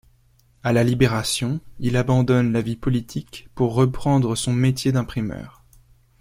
À la libération, il abandonne la vie politique, pour reprendre son métier d'imprimeur.